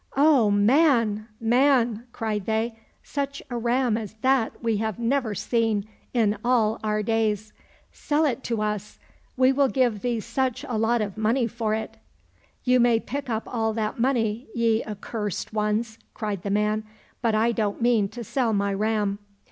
—" O man, man !" cried they, " such a ram as that we have never seen in all our days. Sell it to us ! We will give thee such a lot of money for it." —" You may pick up all that money, ye accursed ones," cried the man, " but I don't mean to sell my ram."